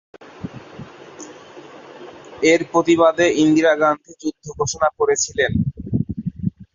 এর প্রতিবাদে ইন্দিরা গান্ধী যুদ্ধ ঘোষণা করেছিলেন।